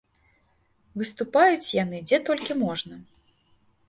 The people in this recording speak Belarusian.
Выступаюць яны дзе толькі можна!